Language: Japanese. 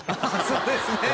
そうですね。